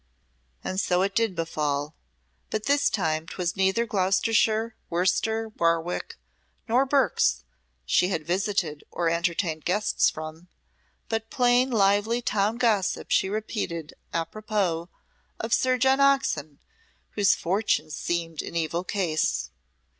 And so it did befall, but this time 'twas neither Gloucestershire, Worcester, Warwick, nor Berks she had visited or entertained guests from, but plain, lively town gossip she repeated apropos of Sir John Oxon, whose fortunes seemed in evil case.